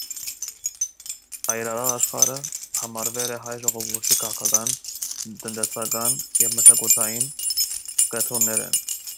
Այրարատ աշխարհը համարուեր է հայ ժողովուրդի քաղաքական, տնտեսական եւ մշակութային կեդրոններէն։